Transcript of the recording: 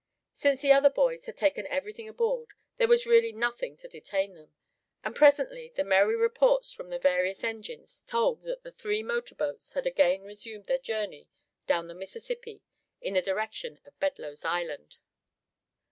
Since the other boys had taken everything aboard, there was really nothing to detain them; and presently the merry reports from the various engines told that the three motorboats had again resumed their journey down the Mississippi in the direction of Bedloe's Island.